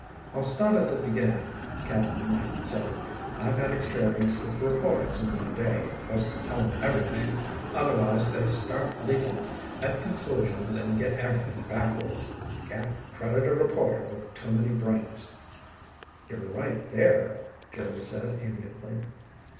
"I'll start at the beginning," Cap'n Mike said. "I've had experience with reporters in my day. Best to tell 'em everything, otherwise they start leaping at conclusions and get everything backwards. Can't credit a reporter with too many brains." "You're right there," Jerry said amiably.